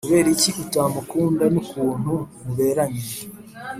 kuberiki utamukunda nukuntu muberanye